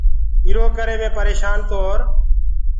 ايٚرو ڪري مي پريشآن تو اور